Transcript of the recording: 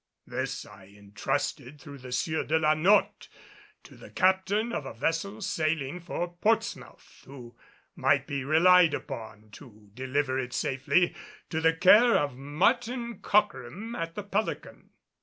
This I entrusted through the Sieur de la Notte to the captain of a vessel sailing for Portsmouth, who might be relied upon to deliver it safely to the care of Martin Cockrem at the Pelican.